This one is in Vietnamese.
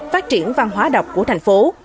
phát triển văn hóa độc của thành phố